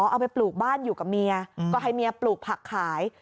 เอาไปปลูกบ้านอยู่กับเมียก็ให้เมียปลูกผักขาย